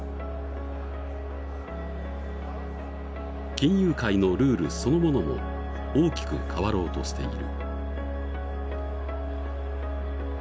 金融界のルールそのものも大きく変わろうとしている。